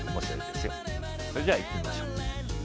それではいってみましょう。